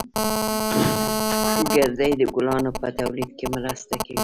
گردې د ګلانو په تولید کې مرسته کوي